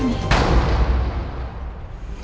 kamu pergi dari sini